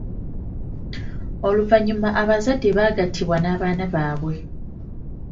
Oluvannyuma abazadde bagattibwa n'abaana baabwe.